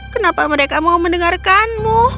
kenapa mereka mau mendengarkan